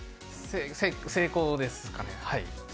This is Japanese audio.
成功ですかね。